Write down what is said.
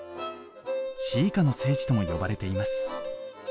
詩歌の聖地とも呼ばれています。